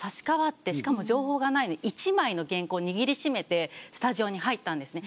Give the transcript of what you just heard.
しかも情報がないので１枚の原稿を握りしめてスタジオに入ったんですね。